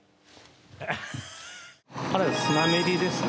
あれはスナメリですね。